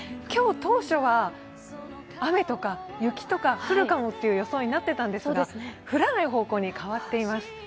今日、当初は雨とか雪とか降るかもという予想になっていたんですが降らない方向に変わっています。